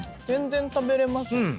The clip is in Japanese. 全然食べれます。